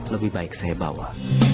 lebih baik saya bawa